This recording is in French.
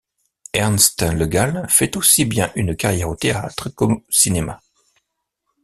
Ernst Legal fait aussi bien une carrière au théâtre qu'au cinéma.